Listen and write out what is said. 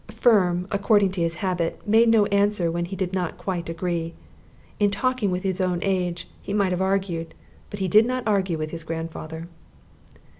Firm, according to his habit, made no answer when he did not quite agree. In talking with his own age he might have argued, but he did not argue with his grandfather.